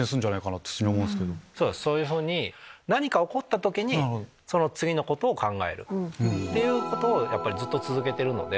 そういうふうに何か起こった時に次のことを考える。っていうことをずっと続けてるので。